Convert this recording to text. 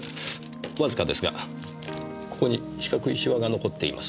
わずかですがここに四角いシワが残っています。